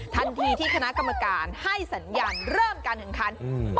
ทันทีที่คณะกรรมการให้สัญญาณเริ่มการแข่งขันอืม